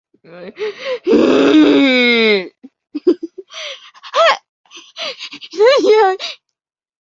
En dicho programa, Bogue cantaba, bailaba, hacia imitaciones y presentaba sketches.